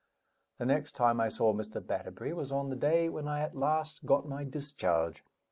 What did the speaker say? The next time I saw Mr. Batterbury was on the day when I at last got my discharge.